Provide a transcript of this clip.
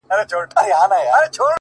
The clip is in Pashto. گرانه په دغه سي حشر كي جــادو ـ